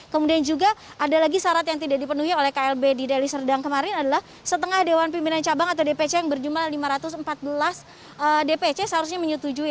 kemudian juga ada lagi syarat yang tidak dipenuhi oleh klb di deli serdang kemarin adalah setengah dewan pimpinan cabang atau dpc yang berjumlah lima ratus empat belas dpc seharusnya menyetujui